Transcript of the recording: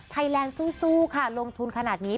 แลนด์สู้ค่ะลงทุนขนาดนี้